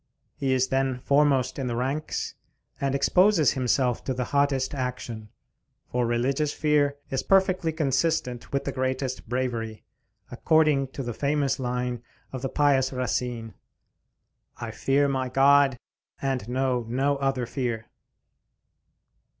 He is then foremost in the ranks, and exposes himself to the hottest action; for religious fear is perfectly consistent with the greatest bravery, according to the famous line of the pious Racine, "I fear my God, and know no other fear."